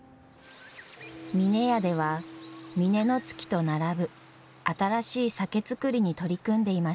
峰屋では峰乃月と並ぶ新しい酒造りに取り組んでいました。